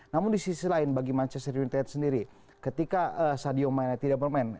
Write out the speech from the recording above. namun di sisi lain bagi manchester united sendiri ketika sadio manne tidak bermain